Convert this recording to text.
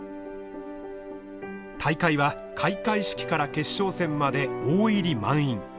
大会は開会式から決勝戦まで大入り満員。